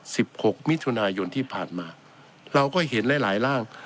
หกมิถุนายนที่ผ่านมาเราก็เห็นหลายหลายร่าง